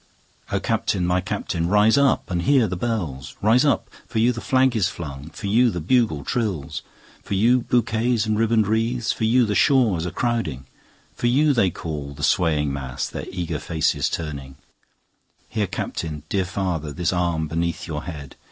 O Captain! my Captain! rise up and hear the bells; Rise up—for you the flag is flung—for you the bugle trills, 10 For you bouquets and ribbon'd wreaths—for you the shores crowding, For you they call, the swaying mass, their eager faces turning; Here, Captain! dear father! This arm beneath your head!